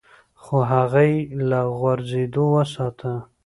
خو هغه يې له غورځېدو وساته.